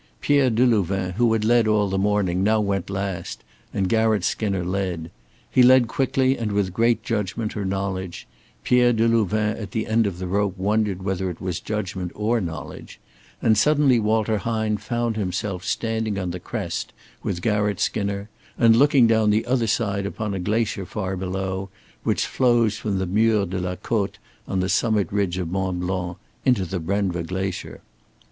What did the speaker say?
Pierre Delouvain, who had led all the morning, now went last, and Garratt Skinner led. He led quickly and with great judgment or knowledge Pierre Delouvain at the end of the rope wondered whether it was judgment or knowledge and suddenly Walter Hine found himself standing on the crest with Garratt Skinner, and looking down the other side upon a glacier far below, which flows from the Mur de la Côte on the summit ridge of Mont Blanc into the Brenva glacier.